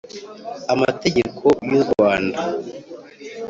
amategeko y u rwanda